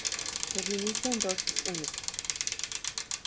Se administra en dosis única.